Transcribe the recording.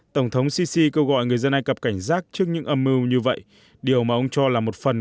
tổng thống sisi kêu gọi người dân ai cập cảnh giác trước những âm mưu như vậy điều mà ông cho là một phần